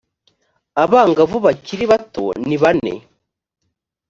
abangavu bakiri bato nibane